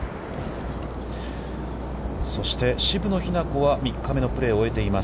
そして、渋野日向子は、３日目のプレーを終えています。